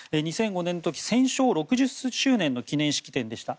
２００５年の時戦勝６０周年の記念式典でした。